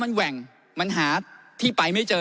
มันแหว่งมันหาที่ไปไม่เจอ